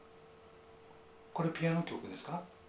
これピアノ曲ですか？